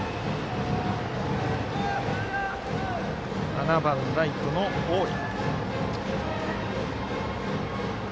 ７番ライトの大井。